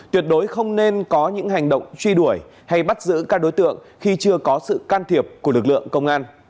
tuyệt đối không nên có những hành động truy đuổi hay bắt giữ các đối tượng khi chưa có sự can thiệp của lực lượng công an